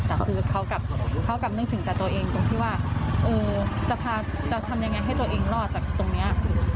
แต่คือเขากลับนึกถึงแต่ตัวเองตรงที่ว่าจะพาจะทำยังไงให้ตัวเองรอดจากตรงนี้